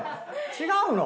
違うの？